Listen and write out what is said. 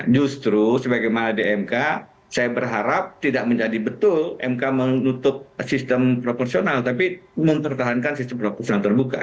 justru sebagaimana di mk saya berharap tidak menjadi betul mk menutup sistem proporsional tapi mempertahankan sistem proporsional terbuka